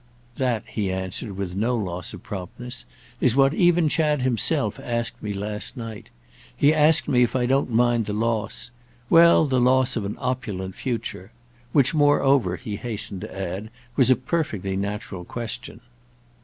"That," he answered with no loss of promptness, "is what even Chad himself asked me last night. He asked me if I don't mind the loss—well, the loss of an opulent future. Which moreover," he hastened to add, "was a perfectly natural question."